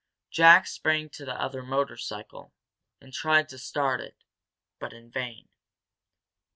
Jack sprang to the other motorcycle, and tried to start it, but in vain.